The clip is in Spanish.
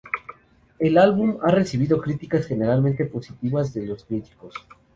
El álbum ha recibido críticas generalmente positivas de los críticos.